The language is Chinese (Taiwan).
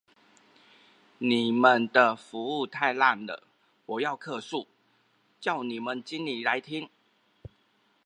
你們的服務太爛了，我要客訴，叫你們經理來聽。